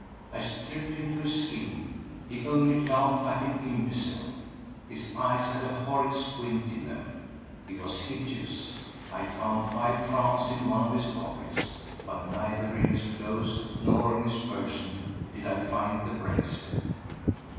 I stripped him to his skin; he only laughed like an imbecile. His eyes had a horrid squint in them; he was hideous. I found five francs in one of his pockets, but neither in his clothes nor on his person did I find the bracelet.